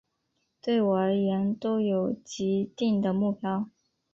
对我而言都有既定的目标